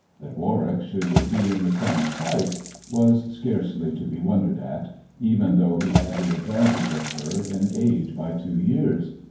That Warwick should be in the same plight was scarcely to be wondered at, even though he had the advantage of her in age by two years.